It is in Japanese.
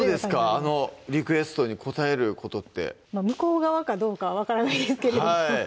あのリクエストに応えることってまぁ向こう側かどうかは分からないですけれども